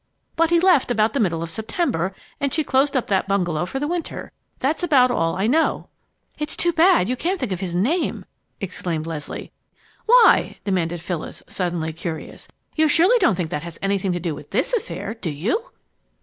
But he left about the middle of September, and she closed up that bungalow for the winter. That's about all I know." "It's too bad you can't think of his name!" exclaimed Leslie. "Why?" demanded Phyllis, suddenly curious. "You surely don't think that has anything to do with this affair, do you?"